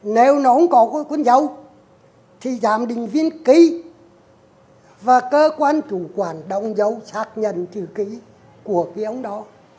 nếu nó không có cuốn dấu thì giám định viên ký và cơ quan chủ quản đồng dấu xác nhận chữ ký của cái ông đó